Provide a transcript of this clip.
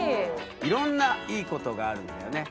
いろんないいことがあるんだよね。